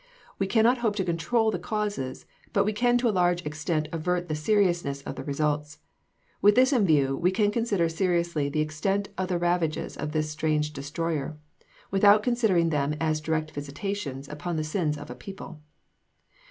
We can not hope to control the causes, but we can to a large extent avert the seriousness of the results. With this in view, we can consider seriously the extent of the ravages of this strange destroyer, without considering them as direct visitations upon the sins of a people.